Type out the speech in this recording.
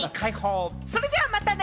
それじゃあまたね！